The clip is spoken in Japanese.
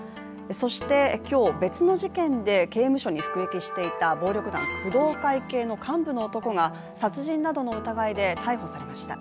そして今日、別の事件で刑務所に服役していた暴力団工藤会系の幹部の男が殺人などの疑いで逮捕されました。